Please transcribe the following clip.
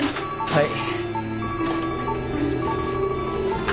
はい。